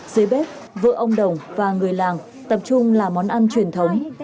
dưới bếp vợ ông đồng và người làng tập trung là món ăn truyền thống